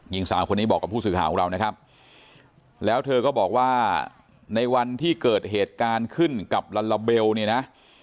หญิงสาวคนนี้บอกกับผู้สื่อข่าวของเรานะครับแล้วเธอก็บอกว่าในวันที่เกิดเหตุการณ์ขึ้นกับลัลลาเบลเนี่ยนะ